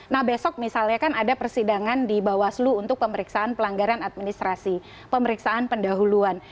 nah besok misalnya kan ada persidangan di bawaslu untuk pemeriksaan pelanggaran administrasi pemeriksaan pendahuluan